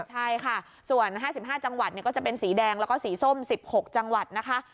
ใช่ค่ะส่วน๕๕จังหวัดก็จะเป็นสีแดงแล้วก็สีส้ม๑๖จังหวัดนะคะ